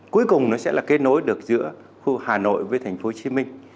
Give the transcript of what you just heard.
cuối cùng nó sẽ là kết nối được giữa khu hà nội với thành phố hồ chí minh